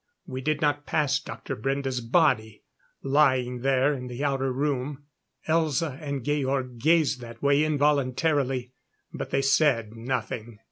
We did not pass Dr. Brende's body, lying there in the outer room. Elza and Georg gazed that way involuntarily; but they said nothing.